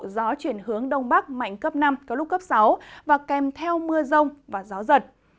gió chuyển hướng đông bắc mạnh cấp năm có lúc cấp sáu và kèm theo mưa rông và gió giật